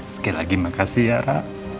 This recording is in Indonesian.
sekali lagi makasih yara